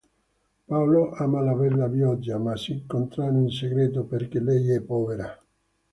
Paolo ama la bella Viola, ma si incontrano in segreto, perché lei è povera.